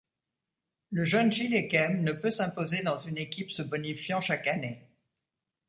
Le jeune Gilles Eyquem ne peut s’imposer dans une équipe se bonifiant chaque année.